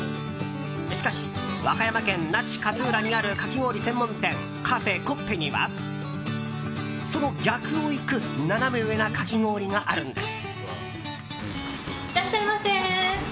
しかし、和歌山県那智勝浦にあるかき氷専門店カフェコッペにはその逆をいくナナメ上なかき氷があるんです。